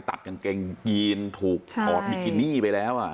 ตัดกางเกงยีนถูกถอดบิกินี่ไปแล้ว